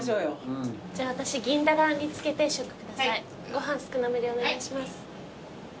ご飯少なめでお願いします。